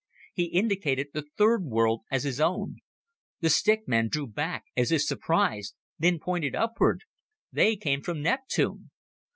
He indicated the third world as his own. The stick man drew back as if surprised, then pointed upward. They came from Neptune!